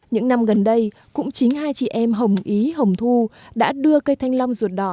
những năm gần đây cũng chính hai chị em hồng ý hồng thu đã đưa cây thanh long ruột đỏ